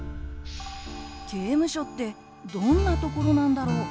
刑務所ってどんなところなんだろう？